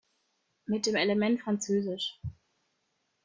Mit dem Element frz.